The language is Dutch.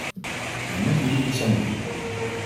Wij moeten hier iets aan doen.